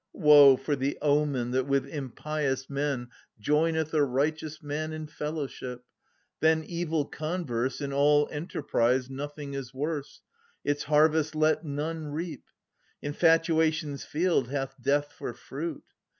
Woe for the omen that with impious men Joineth a righteous man in fellowship ! Than evil converse, in all enterprise Nothing is worse ; its harvest let none reap. 600 Infatuation's field hath death for fruit.